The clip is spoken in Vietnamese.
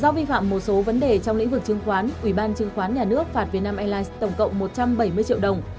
do vi phạm một số vấn đề trong lĩnh vực chứng khoán ủy ban chứng khoán nhà nước phạt vietnam airlines tổng cộng một trăm bảy mươi triệu đồng